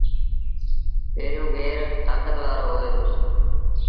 پيريوݩ گير تآݩڪت وآرو هوئي دو۔